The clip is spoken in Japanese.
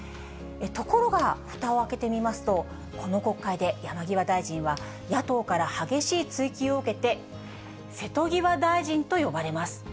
ところが、ふたを開けてみますと、この国会で山際大臣は、野党から激しい追及を受けて、瀬戸際大臣と呼ばれます。